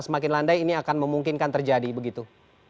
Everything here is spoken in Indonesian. semakin landai ini akan memungkinkan terjadi begitu